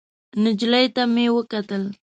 نجلۍ ته مې وکتل.